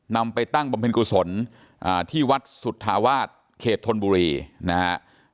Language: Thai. นำไปตั้งบำเพ็ญกุศลที่วัดสุทธาวาทเขตทนบุรีนะฮะ